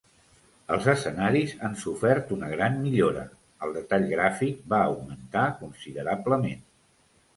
Els escenaris han sofert una gran millora, el detall gràfic va augmentar considerablement.